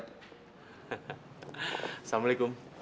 terima kasih om